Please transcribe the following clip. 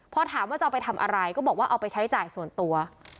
พอถามว่าจะเอาไปทำอะไรก็บอกว่าเอาไปใช้จ่ายส่วนตัว